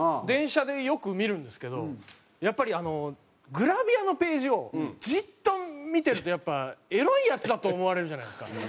電車でよく見るんですけどやっぱりグラビアのページをじっと見てるとやっぱエロいヤツだと思われるじゃないですか。